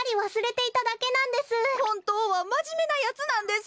ほんとうはまじめなやつなんです！